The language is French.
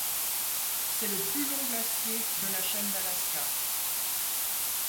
C'est le plus long glacier de la chaîne d'Alaska.